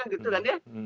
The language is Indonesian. gitu kan ya